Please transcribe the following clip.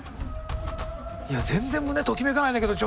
いや全然胸ときめかないんだけど。